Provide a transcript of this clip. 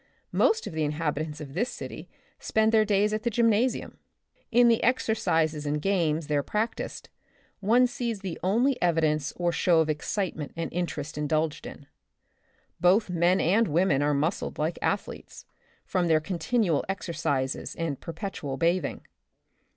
Most of the inhabitants of this city spend their days at the gymnasium. In the exercises and games there practiced, one sees the only evidence or show of excitement and interest indulged in. Both men and women are muscled like athletes, from their continual exercises and perpetual bathing.